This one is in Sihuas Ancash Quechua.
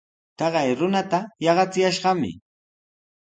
Taqay runata yaqachiyashqami.